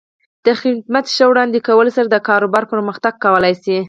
د خدمت ښې وړاندې کولو سره د کاروبار پرمختګ کولی شي.